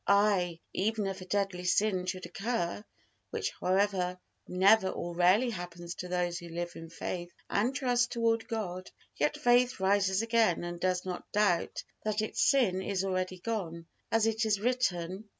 Aye, even if a deadly sin should occur (which, however, never or rarely happens to those who live in faith and trust toward God), yet faith rises again and does not doubt that its sin is already gone; as it is written I.